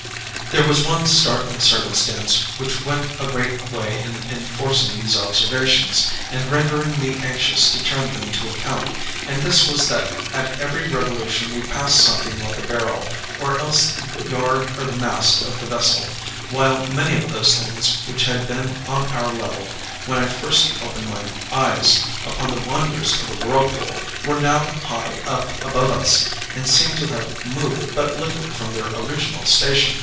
"There was one startling circumstance which went a great way in enforcing these observations, and rendering me anxious to turn them to account, and this was that at every revolution we passed something like a barrel, or else the yard or the mast of the vessel; while many of those things which had been on our level when I first opened my eyes upon the wonders of the whirlpool, were now high up above us, and seemed to have moved but little from their original station.